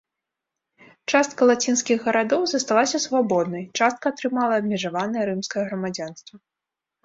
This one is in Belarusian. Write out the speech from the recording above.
Частка лацінскіх гарадоў засталася свабоднай, частка атрымала абмежаванае рымскае грамадзянства.